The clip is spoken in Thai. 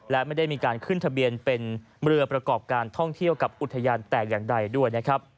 และไม่ได้มีการขึ้นทะเบียนเป็นเรือประกอบการท่องเที่ยวกับอุทยานแต่อย่างใดด้วยนะครับ